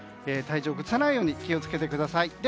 体調を崩さないように気を付けてください。